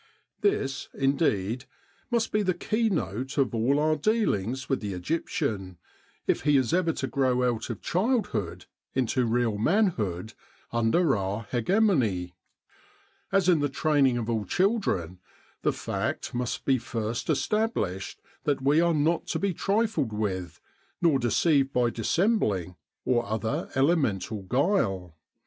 This, indeed, must be the keynote of all our deal ings with the Egyptian, if he is ever to grow out of childhood into real manhood under our hegemony. As in the training of all children, the fact must be first established that we are not to be trifled with, nor de ceived by dissembling or other elemental guile.